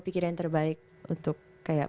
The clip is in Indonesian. pikir yang terbaik untuk kayak